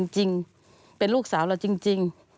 ใช่